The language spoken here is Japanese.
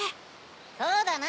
そうだな。